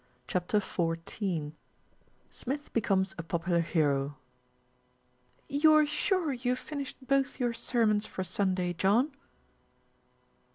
CHAPTER XIV SMITH BECOMES A POPULAR HERO ""^7"OU'RE sure you've finished both your sermons | for Sunday, John?"